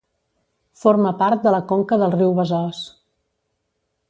Forma part de la conca del riu Besòs.